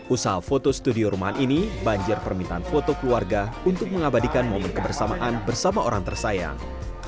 usaha foto studio rumahan ini banjir permintaan foto keluarga untuk mengabadikan momen kebersamaan bersama orang tersayang